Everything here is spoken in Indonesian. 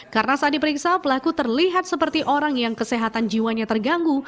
karena saat diperiksa pelaku terlihat seperti orang yang kesehatan jiwanya terganggu